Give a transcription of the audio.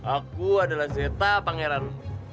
aku adalah zeta pangeran